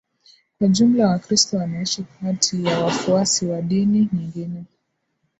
Kwa jumla Wakristo wanaishi kati ya wafuasi wa dini nyingine